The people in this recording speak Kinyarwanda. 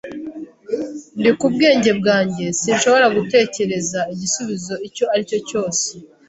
Ndi ku bwenge bwanjye. Sinshobora gutekereza igisubizo icyo aricyo cyose.